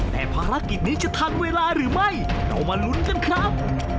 แต่ภารกิจนี้จะทันเวลาหรือไม่เรามาลุ้นกันครับ